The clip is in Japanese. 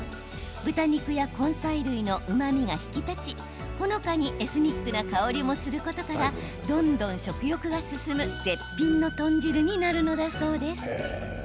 豚肉や根菜類のうまみが引き立ち、ほのかにエスニックな香りもすることからどんどん食が進む絶品の豚汁になるのだそうです。